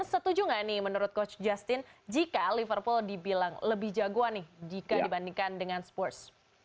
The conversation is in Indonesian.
setuju nggak nih menurut coach justin jika liverpool dibilang lebih jagoan nih jika dibandingkan dengan spurs